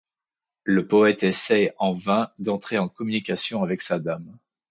Le poète essaie en vain d'entrer en communication avec sa dame.